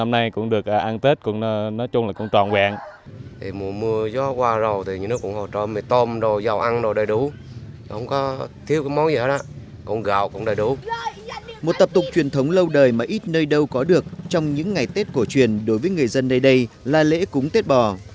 một tập tục truyền thống lâu đời mà ít nơi đâu có được trong những ngày tết cổ truyền đối với người dân nơi đây là lễ cúng tết bò